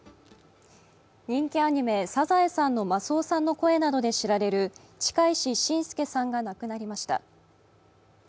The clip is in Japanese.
人気アニメ「サザエさん」のマスオさんの声などで知られる近石真介さんが亡くなりました。